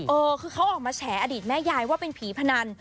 เออคือเขาออกมาแฉอดีตแม่ยายว่าเป็นผีพนัน